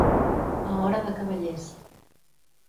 A hora de cavallers.